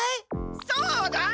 そうだ！